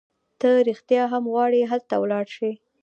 ته رېښتیا هم غواړي هلته ولاړه شې؟